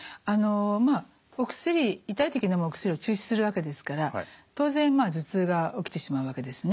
まあお薬痛い時のむお薬を中止するわけですから当然頭痛が起きてしまうわけですね。